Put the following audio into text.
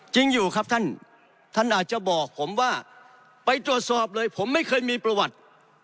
จริงอยู่ครับท่านท่านอาจจะบอกผมว่าไปตรวจสอบเลยผมไม่เคยมีประวัติ